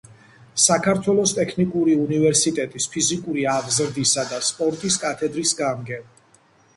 საქართველოს ტექნიკური უნივერსიტეტის ფიზიკური აღზრდისა და სპორტის კათედრის გამგე.